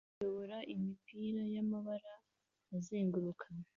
uyobora imipira yamabara azenguruka